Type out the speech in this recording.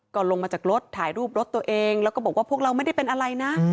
ก็ลงมาจากรถถ่ายรูปรถตัวเองแล้วก็บอกว่าพวกเราไม่ได้เป็นอะไรนะ